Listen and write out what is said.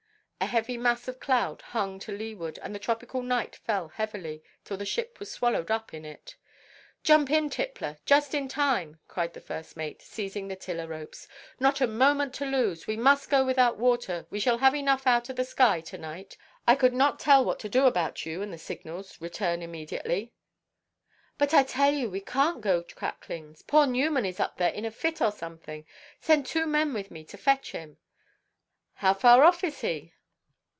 A heavy mass of cloud hung to leeward, and the tropical night fell heavily, till the ship was swallowed up in it. "Jump in, Tippler! Just in time," cried the first mate, seizing the tiller–ropes; "not a moment to lose. We must go without water; we shall have enough out of the sky to–night. I could not tell what to do about you, and the signalʼs 'Return immediately.'" "But I tell you, we canʼt go, Cracklins. Poor Newman is up there in a fit or something. Send two men with me to fetch him." "How far off is he?"